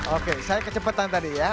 oke saya kecepatan tadi ya